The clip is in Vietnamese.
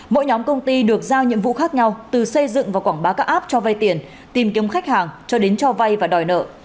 mỗi nhóm công ty được giao nhiệm vụ khác nhau từ xây dựng và quảng bá các app cho vay tiền tìm kiếm khách hàng cho đến cho vay và đòi nợ